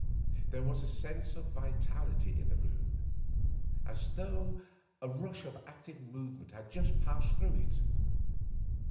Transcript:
There was a sense of vitality in the room as though a rush of active movement had just passed through it.